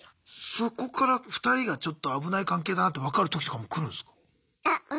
そこから２人がちょっと危ない関係だなって分かる時とかも来るんすか？